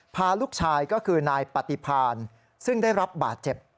พาลูกชายก็คือนายปฏิพานซึ่งได้รับบาดเจ็บ